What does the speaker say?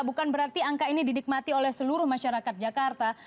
bukan berarti angka ini didikmati oleh seluruh masyarakat jakarta